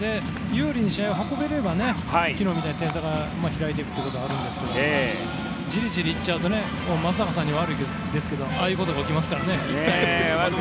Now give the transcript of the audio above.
有利に試合を運べれば昨日みたいに点差が開いていくことはありますがじりじりいっちゃうと松坂さんには悪いですけどああいうことが起きますからね。